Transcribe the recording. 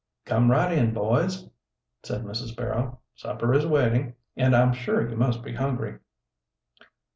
"Come right in, boys," said Mrs. Barrow. "Supper is waiting, and I'm sure you must be hungry."